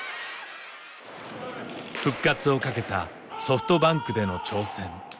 復活をかけたソフトバンクでの挑戦。